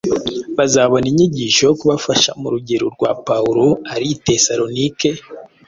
bazabona inyigisho yo kubafasha mu rugero rwa Pawulo ari i Tesalonike,